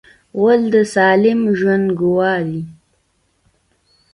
غول د سالم ژوند ګواه دی.